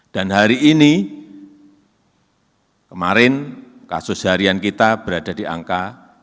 dan hari ini kemarin kasus harian kita berada di angka satu dua ratus